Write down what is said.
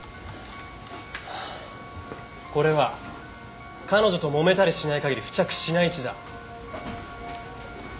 これは彼女ともめたりしない限り付着しない血だ。